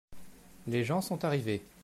les gens sont arrivés.